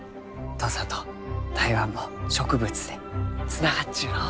土佐と台湾も植物でつながっちゅうのう。